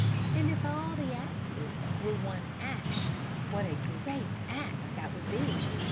And if all the axes were one axe, What a great axe that would be!